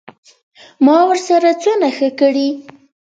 ما ورسره څونه ښه کړي.